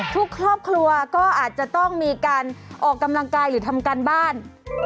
ทุกครอบครัวก็อาจจะต้องมีการออกกำลังกายหรือทำการบ้าน